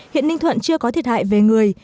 hiện ninh thuận chưa có thiệt hại về người